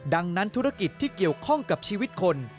ดังนั้นธุรกิจที่เกี่ยวข้องกับชีวิตคน